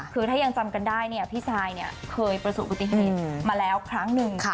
คือถ้ายังจำกันได้เนี่ยพี่ซายเคยประสบอุบัติเหตุมาแล้วครั้งหนึ่ง